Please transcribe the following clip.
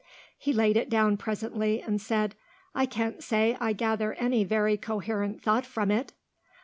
He laid it down presently and said, "I can't say I gather any very coherent thought from it."